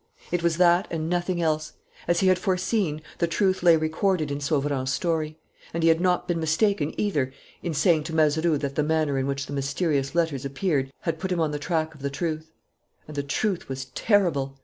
It was that and nothing else. As he had foreseen, the truth lay recorded in Sauverand's story. And he had not been mistaken, either, in saying to Mazeroux that the manner in which the mysterious letters appeared had put him on the track of the truth. And the truth was terrible.